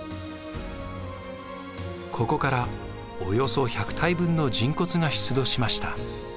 ここからおよそ１００体分の人骨が出土しました。